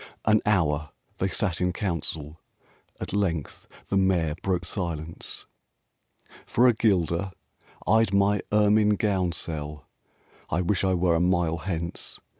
IV An hour they sat in council, At length the Mayor broke silence: [no] RAINBOW GOLD "For a guilder I'd my ermine gown sell; I wish I were a mile hence!